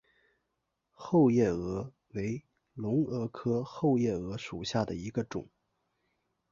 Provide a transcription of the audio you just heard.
后夜蛾为隆蛾科后夜蛾属下的一个种。